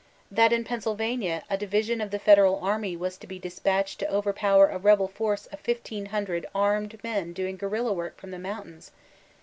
that in Penn* sylvania a division of the federal army was to be dis patched to overpower a rebel force of fifteen hundred armed men doing guerilla work from the mountains